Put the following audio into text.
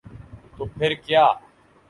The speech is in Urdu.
تو پھر کیا؟